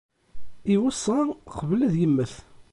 Iweṣṣa qbel ad yemmet.